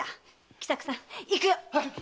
喜作さん行くよ！